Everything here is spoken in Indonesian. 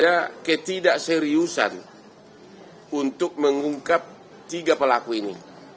ada ketidakseriusan untuk mengungkap tiga pelaku ini